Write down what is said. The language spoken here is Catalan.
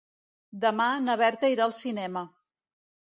Demà na Berta irà al cinema.